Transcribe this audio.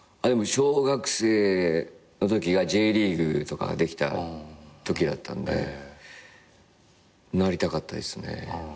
小学生のときＪリーグとかできたときだったんでなりたかったですね。